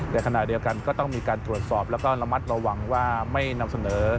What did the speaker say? ในขณะเดียวกันก็ต้องมีการตรวจสอบแล้วก็ระมัดระวังว่าไม่นำเสนอ